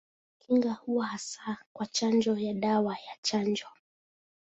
Kinga huwa hasa kwa chanjo ya dawa ya chanjo.